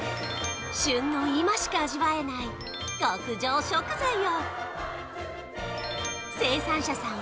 旬の今しか味わえない極上食材を生産者さん